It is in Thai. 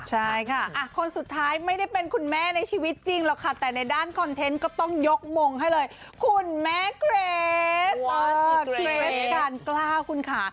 ใช่ค่ะคนสุดท้ายไม่ได้เป็นคุณแม่ในชีวิตจริงหรอกค่ะแต่ในด้านคอนเทนต์ก็ต้องยกมงให้เลยคุณแม่เกรดชีวิตการกล้าคุณค่ะ